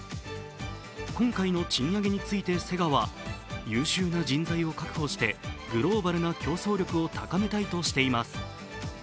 今回の賃上げについてセガは、優秀な人材を確保してグローバルな競争力を高めたいとしています。